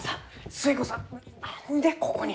寿恵子さん何でここに？